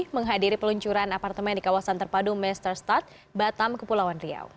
menghadiri peluncuran apartemen di kawasan terpadu master start batam kepulauan riau